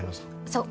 そう。